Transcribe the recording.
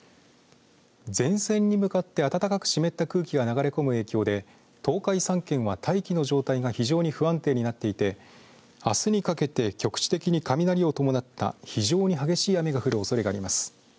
前線に向かって、暖かく湿った空気が流れ込む影響で東海３県は大気の状態が非常に不安定になっていてあすにかけて局地的に雷を伴った非常に激しい雨が降るおそれがあります。